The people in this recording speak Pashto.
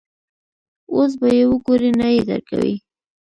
اوس به یې وګورې، نه یې درکوي.